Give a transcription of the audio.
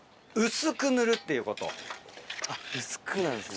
あっ薄くなんですね。